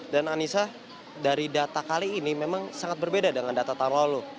dan anissa dari data kali ini memang sangat berbeda dengan data tahun lalu